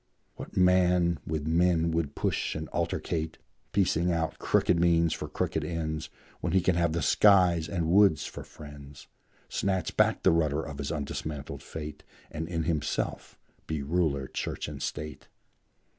What man with men would push and altercate, Piecing out crooked means for crooked ends, When he can have the skies and woods for friends, Snatch back the rudder of his undismantled fate, And in himself be ruler, church, and state?